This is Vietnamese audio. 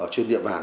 trên địa bàn